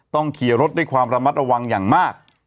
ขี่รถด้วยความระมัดระวังอย่างมาก